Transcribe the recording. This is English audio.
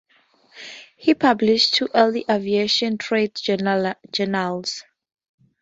He published two early aviation trade journals.